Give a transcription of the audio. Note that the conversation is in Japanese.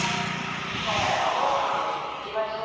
体を起こしていきましょう。